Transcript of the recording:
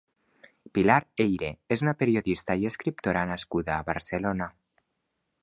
Pilar Eyre és una periodista i escriptora nascuda a Barcelona.